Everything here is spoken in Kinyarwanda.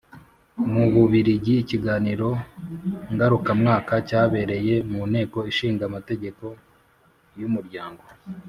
Mu Bubiligi ikiganiro ngarukamwaka cyabereye mu Nteko Ishinga Amategeko y Umuryango